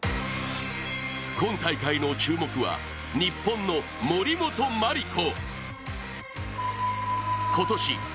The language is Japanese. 今大会の注目は日本の森本麻里子。